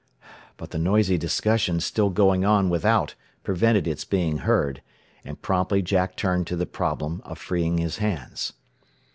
But the noisy discussion still going on without prevented its being heard; and promptly Jack turned to the problem of freeing his hands.